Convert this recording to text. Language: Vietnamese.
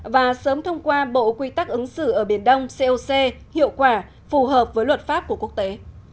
và sớm thông qua bộ quy tắc ứng xử ở biển đông coc hiệu quả phù hợp với luật pháp của quốc tế